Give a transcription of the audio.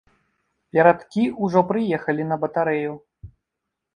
Перадкі ўжо прыехалі на батарэю.